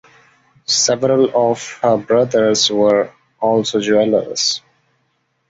Several of her brothers were also jewelers.